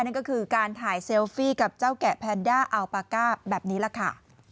นั่นก็คือการถ่ายเซลฟี่กับเจ้าแกะแพนด้าอัลปาก้าแบบนี้แหละค่ะ